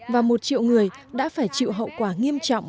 và một triệu người đã phải chịu hậu quả nghiêm trọng